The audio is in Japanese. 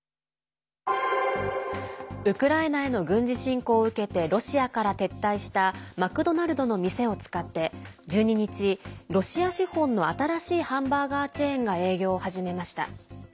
ウクライナへの軍事侵攻を受けてロシアから撤退したマクドナルドの店を使って１２日、ロシア資本の新しいハンバーガーチェーンが営業を始めました。